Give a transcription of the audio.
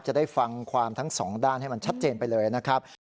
จะได้ฟังความทั้งสองด้านให้มันชัดเจนไปเลยนะครับ